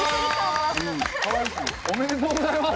おめでとうございます！